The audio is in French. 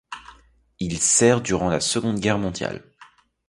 Il sert durant la Seconde Guerre mondiale.